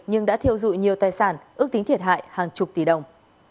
nhưng đã thiêu dụi nhiều tài sản ước tính thiệt hại hàng chục tỷ đồng